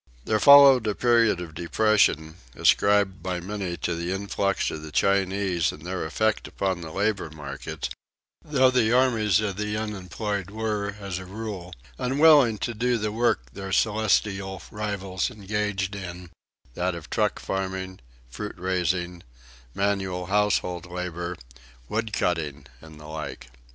There followed a period of depression, ascribed by many to the influx of the Chinese and their effect upon the labor market, though the army of the unemployed were as a rule unwilling to do the work their Celestial rivals engaged in, that of truck farming, fruit raising, manual household labor, wood cutting and the like.